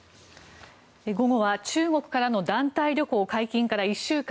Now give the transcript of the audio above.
午後は中国からの団体旅行解禁から１週間。